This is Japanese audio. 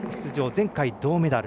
前回、銅メダル。